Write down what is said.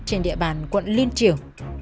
trên địa bàn quận liên triều